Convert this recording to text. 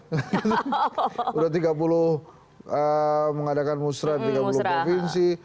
sudah tiga puluh mengadakan musrah tiga puluh provinsi